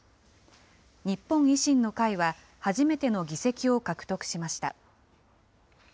日本維新の会は初めての議席を獲得しました。